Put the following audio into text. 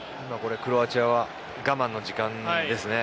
クロアチアは我慢の時間ですね。